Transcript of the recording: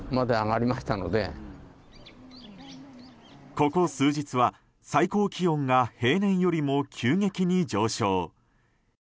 ここ数日は、最高気温が平年よりも急激に上昇。